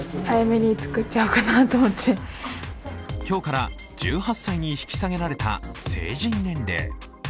今日から１８歳に引き下げられた成人年齢。